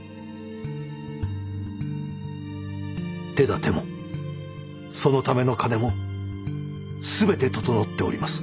手だてもそのための金も全て整っております。